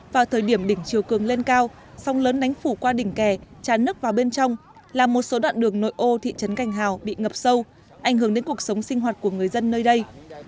vào thời điểm đỉnh chiều cường lên cao sóng lớn đánh phủ qua đỉnh kè tràn nước vào bên trong làm một số đoạn đường nội ô thị trấn cành hào bị ngập sâu ảnh hưởng đến cuộc sống sinh hoạt của người dân nơi đây